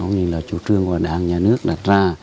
có nghĩa là chủ trương của đảng nhà nước đặt ra